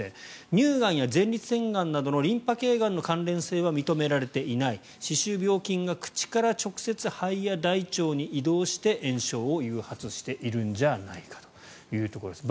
乳がんや前立腺がんなどのリンパ系がんの関連性は認められていない歯周病菌が口から直接肺や大腸に移動して炎症を誘発しているんじゃないかというところです。